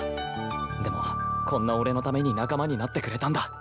でもこんな俺のために仲間になってくれたんだ。